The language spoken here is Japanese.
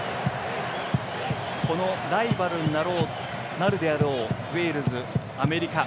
ライバルになるであろうウェールズ、アメリカ。